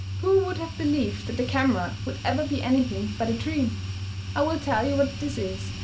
Who would have believed that the camera would ever be anything but a dream? I will tell you what this is.